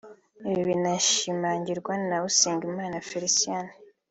Ibi byanashimangiwe na Usengumukiza Félicien